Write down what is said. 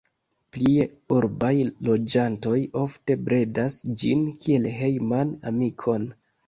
Plie urbaj loĝantoj ofte bredas ĝin kiel hejman amikon.